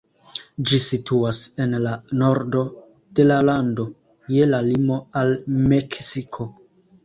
Ĝi situas en la nordo de la lando, je la limo al Meksiko.